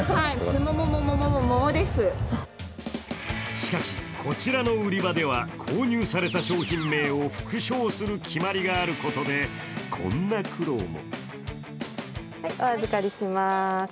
しかし、こちらの売り場では、購入された商品名を復唱する決まりがあることで、こんな苦労も。